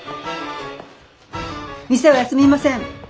店は休みません。